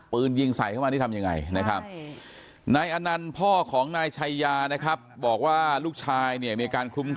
ปืนยิงใส่เข้ามานี่ทำยังไงนะครับนายอนัลดร์พ่อของนายชัยยานะครับบอกว่าลูกชายเนี่ย